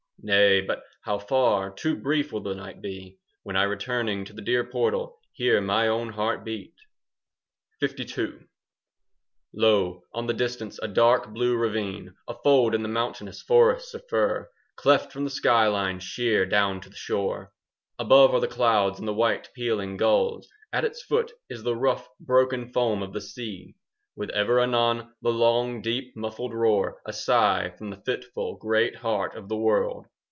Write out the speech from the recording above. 15 Nay, but how far Too brief will the night be, When I returning To the dear portal Hear my own heart beat! 20 LII Lo, on the distance a dark blue ravine, A fold in the mountainous forests of fir, Cleft from the sky line sheer down to the shore! Above are the clouds and the white, pealing gulls, At its foot is the rough broken foam of the sea, 5 With ever anon the long deep muffled roar,— A sigh from the fitful great heart of the world.